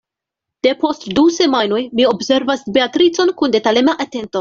Depost du semajnoj mi observas Beatricon kun detalema atento.